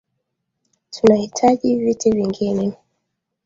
Tunahitaji viti vingine